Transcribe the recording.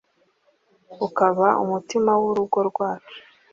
Ukaba umutima w’urugo rwacu